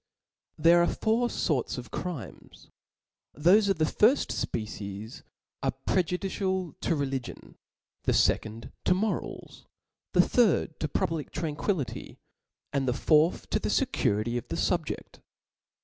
There are four forts of crhnes, Thofeef the firft fpecies are prejudicial to religion, the fccond to morals, the third to the public tranquility, wd the fourth to the fecurity of the fubjeft.